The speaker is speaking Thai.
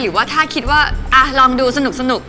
ว่าถ้าคิดว่าลองดูสนุก